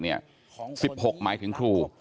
ทรัพย์๑๖มายถึงครู